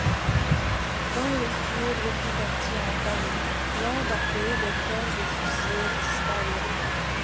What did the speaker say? Quand ils furent reconvertis en dragon l'an d'après, le corps de fusiliers disparu.